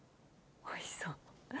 おいしそう。